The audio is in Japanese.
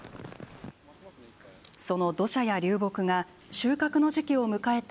その土砂や流木が、収穫の時期を迎えた